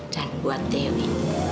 dan buat dewi